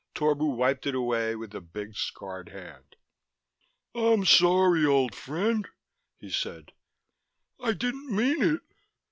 Torbu wiped it away with a big scarred hand. "I'm sorry, old friend," he said. "I didn't mean it."